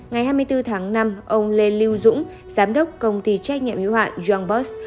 ngày hai mươi bốn tháng năm ông lê lưu dũng giám đốc công ty trách nhiệm hữu hạn youngbus